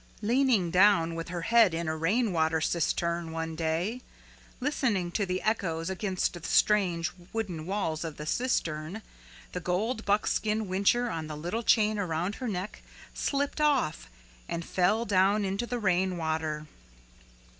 Leaning down with her head in a rain water cistern one day, listening to the echoes against the strange wooden walls of the cistern, the gold buckskin whincher on the little chain around her neck slipped off and fell down into the rain water.